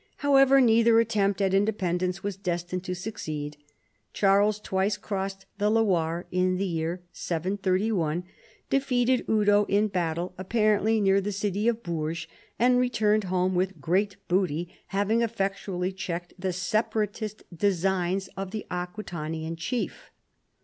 However, neither attempt at in dependence was destined to succeed : Charles twice crossed the Loire in the year 731, defeated Eudo in battle, apparently near the city of Bourges, and re turned home with great boot}', having effectually checked the separatist designs of the Aquitanian chief.